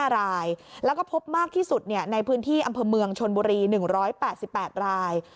๕รายแล้วก็พบมากที่สุดในพื้นที่อำเภอเมืองชนบุรี๑๘๘ราย